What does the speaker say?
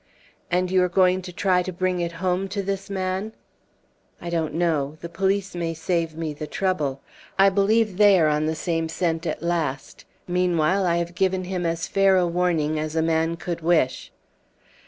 "And you are going to try to bring it home to this man?" "I don't know. The police may save me the trouble. I believe they are on the same scent at last. Meanwhile, I have given him as fair a warning as a man could wish."